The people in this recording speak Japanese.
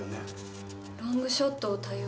「ロングショットを多用」。